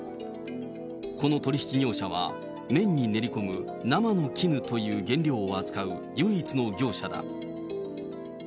この取り引き業者は、麺に練り込む生の絹という原料を扱う唯一の業者だ。